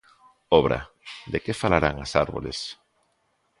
Obra: "De que falarán as árbores".